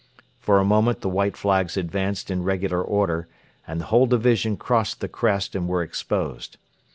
For a moment the white flags advanced in regular order, and the whole division crossed the crest and were exposed.